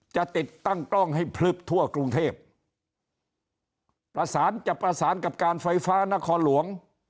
จะติดตั้งกล้องให้พลึบทั่วกรุงเทพประสานจะประสานกับการไฟฟ้านครหลวง